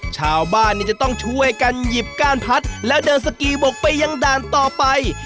ชาวบ้านนี่จะต้องช่วยกันหยิบก้านพัดแล้วเดินสกีบกไปยังด่านต่อไป